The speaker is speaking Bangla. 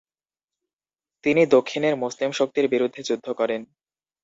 তিনি দক্ষিণের মুসলিম শক্তির বিরুদ্ধে যুদ্ধ করেন।